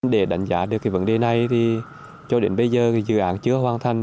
để đánh giá được vấn đề này cho đến bây giờ dự án chưa hoàn thành